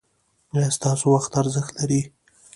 ایا ستاسو وخت ارزښت لري؟